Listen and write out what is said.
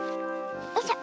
よいしょ。